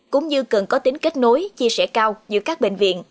cũng như cần có tính kết nối chia sẻ cao giữa các bệnh viện